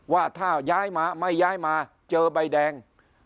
ว่าถ้าย้ายมาไม่ย้ายมาเจอใบแดง